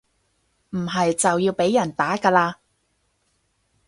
唔係就要被人打㗎喇